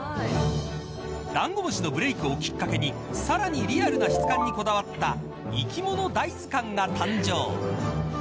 だんごむしのブレークをきっかけにさらにリアルな質感にこだわったいきもの大図鑑が誕生。